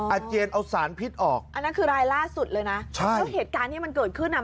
อาเจียนเอาสารพิษออกอันนั้นคือรายล่าสุดเลยนะใช่แล้วเหตุการณ์ที่มันเกิดขึ้นอ่ะ